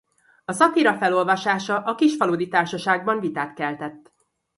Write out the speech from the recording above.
A szatira felolvasása a Kisfaludy Társaságban vitát keltett.